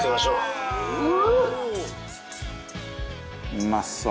「うまそう！」